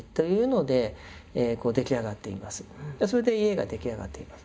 それで家が出来上がっています。